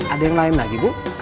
ada yang lain lagi bu